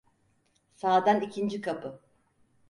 Sağdan ikinci kapı.